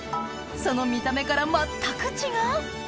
その見た目から全く違う！